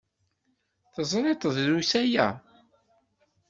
Teẓriḍ-t drus aya?